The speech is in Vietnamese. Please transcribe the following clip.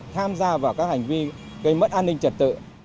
tham gia vào các hành vi gây mất an ninh trật tự